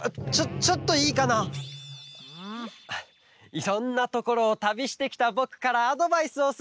いろんなところをたびしてきたぼくからアドバイスをすると。